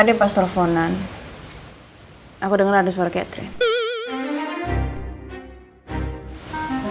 tadi pas telfonan aku denger ada suara kayak tren